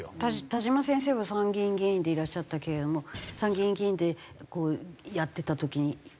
田嶋先生は参議院議員でいらっしゃったけれども参議院議員でやってた時にどんな事感じました？